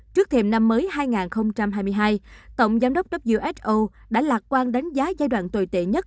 trước thêm năm mới hai nghìn hai mươi hai tổng giám đốc uso đã lạc quan đánh giá giai đoạn tồi tệ nhất